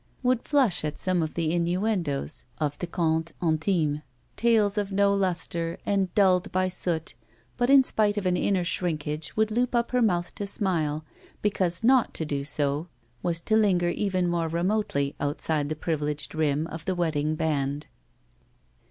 Would flush at some of the innuendoes of the contes intimes, tales of no luster and dulled by soot, but in spite of an inner shrinkage would loop up her mouth to smile, because not to do so was to linger even more remotely outside the privileged rim of the wedding band.